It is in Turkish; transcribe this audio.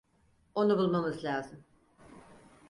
Onu bulmamız lazım.